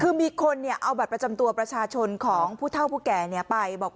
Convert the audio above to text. คือมีคนเอาบัตรประจำตัวประชาชนของผู้เท่าผู้แก่ไปบอก